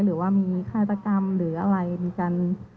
หรือว่ามีฆาตกรรมหรืออะไรเหมือนกัน